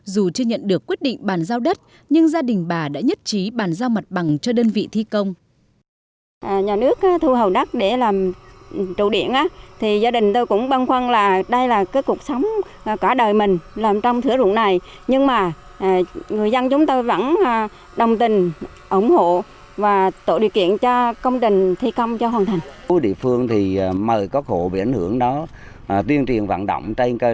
dù chưa nhận được quyết định bàn giao đất nhưng gia đình bà đã nhất trí bàn giao mặt bằng cho đơn vị thi công